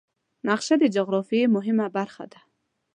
نقشه د جغرافیې مهمه برخه ده.